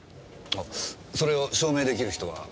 それを証明できる人は？